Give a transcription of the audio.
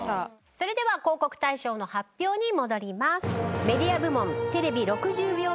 それでは広告大賞の発表に戻ります。